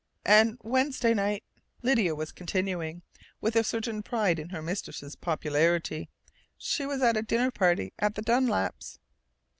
" and Wednesday night," Lydia was continuing, with a certain pride in her mistress' popularity, "she was at a dinner party at the Dunlaps'."